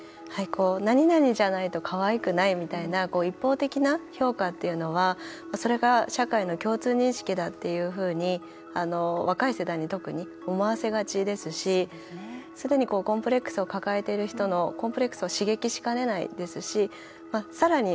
「何々じゃないとかわいくない」みたいな一方的な評価っていうのはそれが社会の共通認識だっていうふうに若い世代に特に思わせがちですしすでにコンプレックスを抱えている人のコンプレックスを刺激しかねないですしさらに